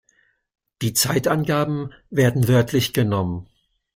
Die Zeitangaben werden wörtlich genommen.